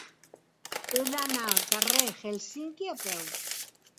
He d'anar al carrer d'Hèlsinki a peu.